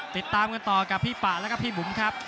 ติดตามกันต่อกับพี่ปะแล้วก็พี่บุ๋มครับ